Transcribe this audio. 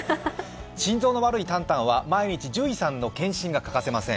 心臓の悪いタンタンは毎日獣医さんの健診が欠かせません。